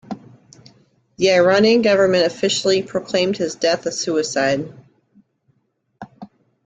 The Iranian government officially proclaimed his death a suicide.